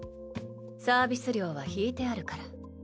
サービス料は引いてあるから。